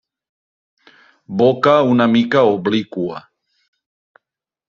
Boca una mica obliqua.